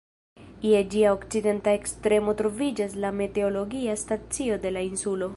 Je ĝia okcidenta ekstremo troviĝas la meteologia stacio de la insulo.